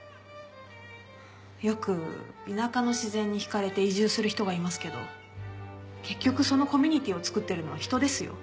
よく田舎の自然に引かれて移住する人がいますけど結局そのコミュニティーを作ってるのは人ですよ。